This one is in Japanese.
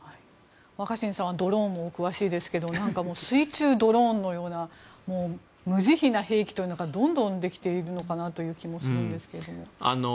若新さんもドローンも詳しいですが水中ドローンのような無慈悲な兵器というのがどんどんできている気がするんですが。